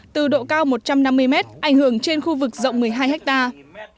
từ độ cao một trăm năm mươi mét ảnh hưởng trên khu vực rộng một mươi hai hectare